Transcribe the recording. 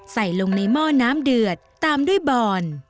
ใส่ลงในหม้อน้ำเดือดตามด้วยบอน